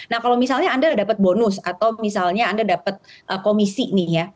nah kalau misalnya anda dapat bonus atau misalnya anda dapat komisi nih ya